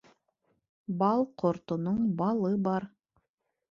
Бал ҡортоноң балы бар